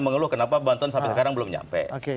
mengeluh kenapa banten sampai sekarang belum nyampe